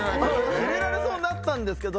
入れられそうになったんですけど。